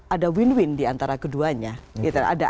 ada win win diantara keduanya gitu